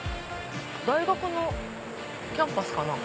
大学のキャンパスかな？